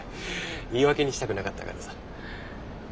言い訳にしたくなかったからさ。